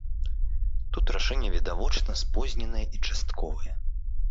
Тут рашэнне відавочна спозненае і частковае.